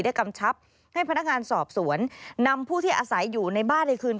กำชับให้พนักงานสอบสวนนำผู้ที่อาศัยอยู่ในบ้านในคืน